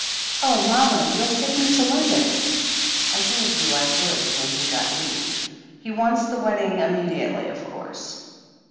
'Oh, mama ! You'll take me to London I" 1 told you I would, when he got his leave. He wants the wedding immediately, of course?"